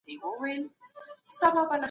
لوړ استعداد د انسان افکارو ته وده ورکوي.